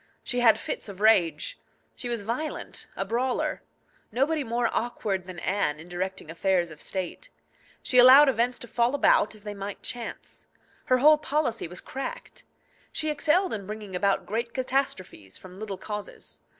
She had fits of rage. She was violent, a brawler. Nobody more awkward than Anne in directing affairs of state. She allowed events to fall about as they might chance. Her whole policy was cracked. She excelled in bringing about great catastrophes from little causes.